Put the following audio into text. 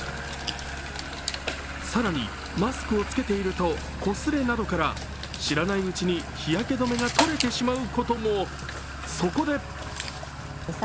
更にマスクを着けているとこすれなどから知らないうちに日焼け止めが取れてしまうことも。